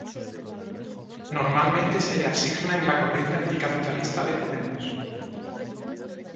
Normalmente se la asigna en la corriente Anticapitalista de Podemos.